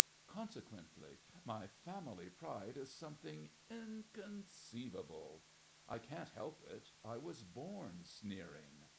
Consequently, my family pride is something inconceivable. I can't help it. I was born sneering.